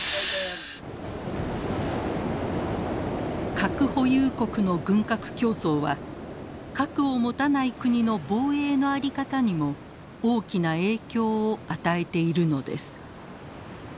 核保有国の軍拡競争は核を持たない国の防衛の在り方にも大きな影響を与えているのです。